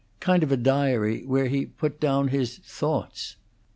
Kind of a diary where he put down his thoughts.